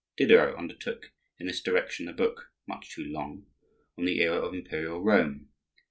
Diderot undertook in this direction a book (much too long) on the era of imperial Rome.